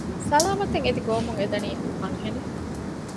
ސަލާމަތަށް އެދި ގޮވަމުން އެދަނީ އަންހެނެއް